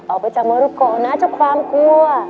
ออกไปจากมรุโกะนะเจ้าความกลัว